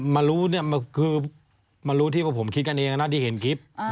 มารู้เนี่ยคือมารู้ที่ว่าผมคิดกันเองนะที่เห็นคลิป